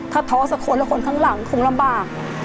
ถ้าท้อสักคนแล้วคนข้างหลังคงลำบาก